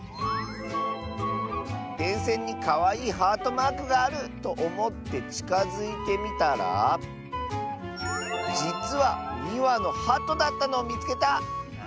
「でんせんにかわいいハートマークがあるとおもってちかづいてみたらじつは２わのハトだったのをみつけた！」。